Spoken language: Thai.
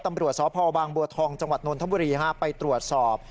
ตำรวจสพบางบัวทองจังหวัดนนทบุรีไปตรวจสอบ